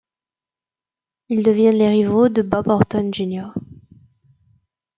Ils deviennent les rivaux de Bob Orton, Jr.